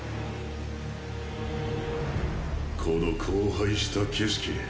この荒廃した景色